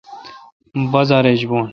مہ بازار ایج بون